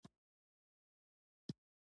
تمدن د انساني عقل د پراخوالي پایله ده.